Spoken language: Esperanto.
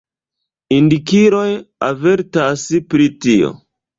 Indikiloj avertas pri tio.